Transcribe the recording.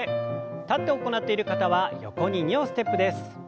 立って行っている方は横に２歩ステップです。